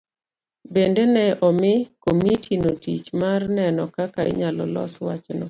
Bende ne omi komitino tich mar neno kaka inyalo los wachno.